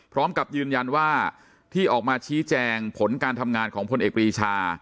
พร้อมกับยืนยันว่าที่ออกมาชี้แจงผลการทำงานของพลเอกปรีชา